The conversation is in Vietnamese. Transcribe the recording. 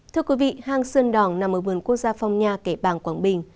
thưa quý vị hang sơn đỏng nằm ở vườn quốc gia phong nha kẻ bàng quảng bình